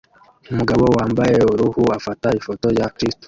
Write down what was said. Umugabo wambaye uruhu afata ifoto ya kristu